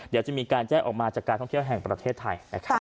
เดี๋ยวจะมีการแจ้งออกมาจากการท่องเที่ยวแห่งประเทศไทยนะครับ